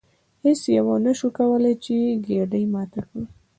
هیڅ یوه ونشوای کولی چې ګېډۍ ماته کړي.